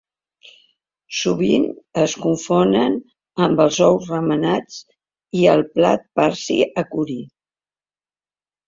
Sovint el confonen amb els ous remenats i el plat parsi akuri".